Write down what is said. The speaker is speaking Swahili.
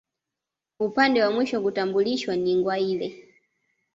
Upande wa mwisho kutambulishwa ni Ngwâeli